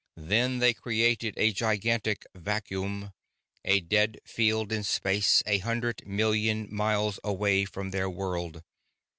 Then they created a gigantic vacuum, a dead field in space a hundred million miles away from their world.